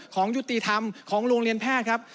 ของยุติธรรมของโรงเรียนแพทย์ครับ